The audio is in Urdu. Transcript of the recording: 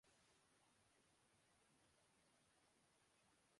ایک لمحے میں موت واقع ہو جاتی ہے۔